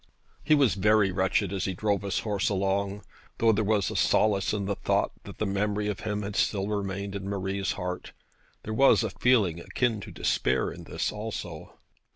He was very wretched as he drove his horse along. Though there was a solace in the thought that the memory of him had still remained in Marie's heart, there was a feeling akin to despair in this also.